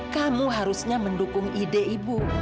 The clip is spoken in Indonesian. kamu harusnya mendukung ide ibu